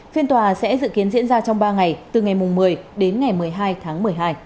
phiên tòa sẽ dự kiến diễn ra trong ba ngày từ ngày một mươi đến ngày một mươi hai tháng một mươi hai